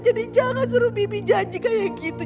jadi jangan suruh bibi janji kayak gitu